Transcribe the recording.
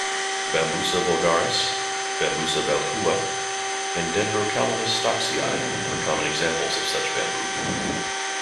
"Bambusa vulgaris", "Bambusa balcooa", and "Dendrocalamus stocksii" are common examples of such bamboo.